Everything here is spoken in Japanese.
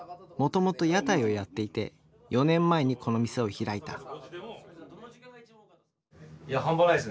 もともと屋台をやっていて４年前にこの店を開いた。